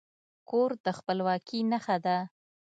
کور د خپلواکي نښه ده.